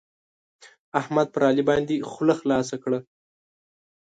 احمد پر علي باندې خوله خلاصه کړه.